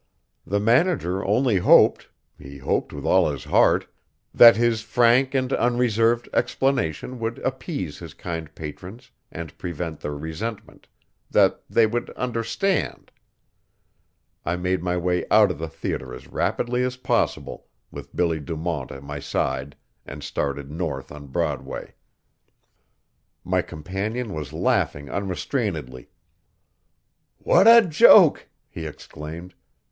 The manager only hoped he hoped with all his heart that his frank and unreserved explanation would appease his kind patrons and prevent their resentment; that they would understand I made my way out of the theater as rapidly as possible, with Billy Du Mont at my side, and started north on Broadway. My companion was laughing unrestrainedly. "What a joke!" he exclaimed.